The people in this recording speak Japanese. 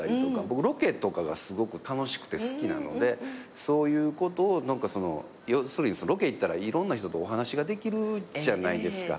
僕ロケとかがすごく楽しくて好きなのでそういうことを何かその要するにロケ行ったらいろんな人とお話ができるじゃないですか。